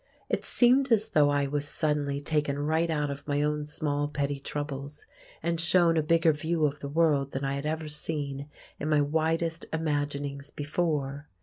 It seemed as though I was suddenly taken right out of my own small petty troubles, and shown a bigger view of the world than I had ever seen in my widest imaginings before.